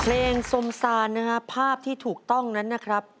เพลงสมสารนะครับภาพที่ถูกต้องนั้นนะครับ